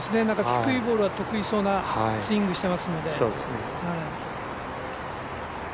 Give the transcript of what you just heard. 低いボールが得意そうなスイングしてますので。